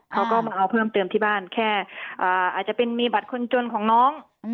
เขาก็มาเอาเพิ่มเติมที่บ้านแค่อาจจะเป็นมีบัตรคนจนของน้อง